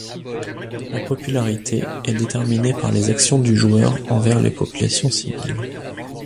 La popularité est déterminée par les actions du joueur envers les populations civiles.